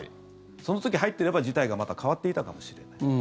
その時、入っていれば、事態がまた変わっていたかもしれない。